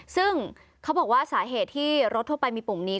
ซึ่งเขาบอกว่าสาเหตุที่รถทั่วไปมีปุ่มนี้